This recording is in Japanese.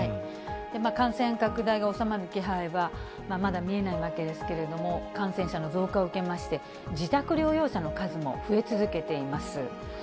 感染拡大が収まる気配はまだ見えないわけですけれども、感染者の増加を受けまして、自宅療養者の数も増え続けています。